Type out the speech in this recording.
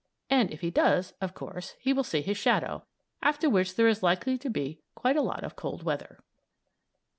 And, if he does, of course he will see his shadow, after which there is likely to be quite a lot of cold weather.